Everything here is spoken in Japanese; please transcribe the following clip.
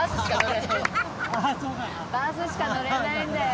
バスしか乗れないんだよ。